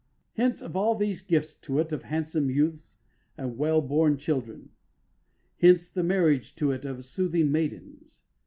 Hence all these gifts to it of handsome youths and well born children. Hence the marriage to it of soothing maidens.